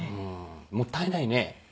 もったいないね。